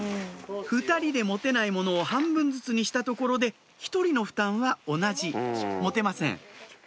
２人で持てないものを半分ずつにしたところで１人の負担は同じ持てません